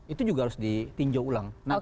itu juga harus ditinjau ulang